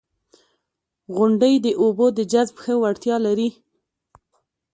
• غونډۍ د اوبو د جذب ښه وړتیا لري.